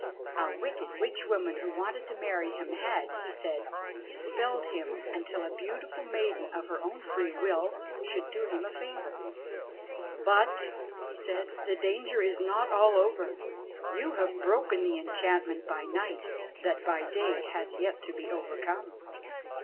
A wicked witch woman who wanted to marry him had, he said, spelled him until a beautiful maiden of her own free will should do him a favour. "But," he said, "the danger is not all over. You have THE BLACK BULL OF NORROWAY 159 broken the enchantment by night ; that by day has yet to be overcome."